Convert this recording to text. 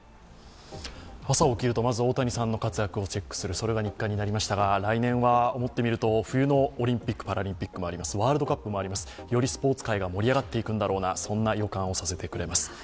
朝起きるとまず大谷さんの活躍をチェックするそれが日課になりましたが、来年は思ってみると冬のオリンピック・パラリンピックもあります、ワールドカップもあります、よりスポーツ界が盛り上がっていくんだろうなという予感をさせてくれます。